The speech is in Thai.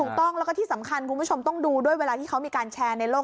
ถูกต้องแล้วก็ที่สำคัญคุณผู้ชมต้องดูด้วยเวลาที่เขามีการแชร์ในโลก